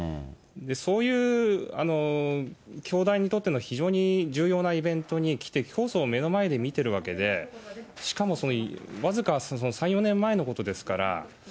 そういう教団にとっての非常に重要なイベントに来て、教祖を目の前で見てるわけで、しかもその僅か３、４年前のことですから。